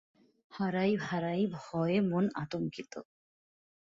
হারাই হারাই ভয়ে মন আতঙ্কিত।